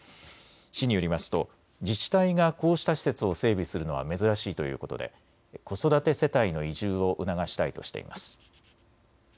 市によりますと自治体がこうした施設を整備するのは珍しいということで子育て世帯の移住を促したいとしています。